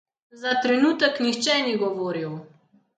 Za trenutek nihče ni govoril.